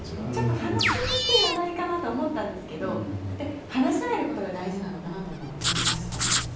話しにくい話題かなと思ったんですが話し合えることが大事なのかなとも思いました。